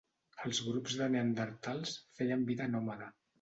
Els grups de neandertals feien vida nòmada,